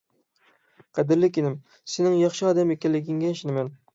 قەدىرلىك ئىنىم، سېنىڭ ياخشى ئادەم ئىكەنلىكىڭگە ئىشىنىمەن.